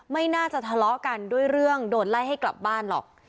ไม่น่าจะทะเลาะกันด้วยเรื่องโดนไล่ให้กลับบ้านหรอก